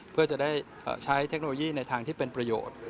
เพื่อจะได้ใช้เทคโนโลยีในทางที่เป็นประโยชน์